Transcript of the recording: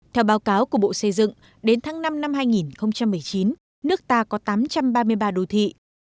theo báo cáo của bộ xây dựng đến tháng năm năm hai nghìn một mươi chín nước ta có tám trăm ba mươi ba đô thị